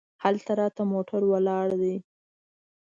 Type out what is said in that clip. هلته راته موټر ولاړ دی.